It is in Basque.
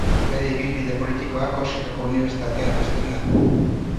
Bere ibilbide politikoa Korsikako unibertsitatean hasten da.